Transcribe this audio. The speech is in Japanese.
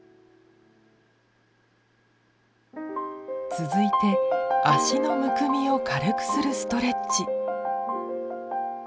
続いて脚のむくみを軽くするストレッチ。